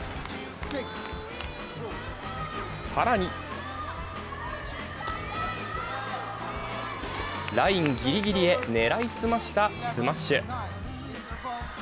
更にラインギリギリへ狙い澄ましたスマッシュ。